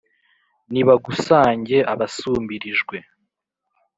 nibagusange abasumbirijwe